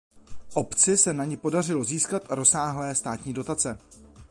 Obci se na ni podařilo získat rozsáhlé státní dotace.